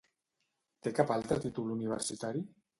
Té cap altre títol universitari?